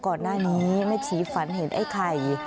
ก่อนหน้านี้แม่ชีฝันเห็นไอ้ไข่